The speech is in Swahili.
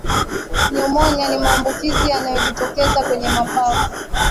pneumonia ni maambukizi yanayojitokeza kwenye mapafu